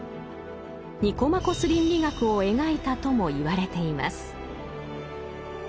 「ニコマコス倫理学」を描いたともいわれています。